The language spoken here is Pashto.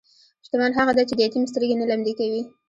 شتمن هغه دی چې د یتیم سترګې نه لمدې کوي.